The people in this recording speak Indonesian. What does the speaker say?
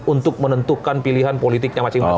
untuk menentukan pilihan politiknya masing masing